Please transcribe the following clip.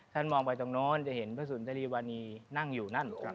มองไปตรงโน้นจะเห็นพระสุนทรีวานีนั่งอยู่นั่น